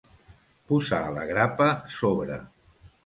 Posar la grapa sobre.